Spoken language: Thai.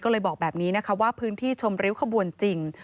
ก็เลยบอกแบบนี้นะคะว่าพื้นที่ชมริ้วขบวนจริง